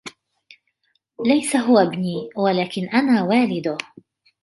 ليس "هو إبني" ولكن " أنا والده".